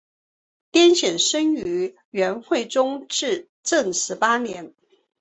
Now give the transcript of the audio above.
丁显生于元惠宗至正十八年。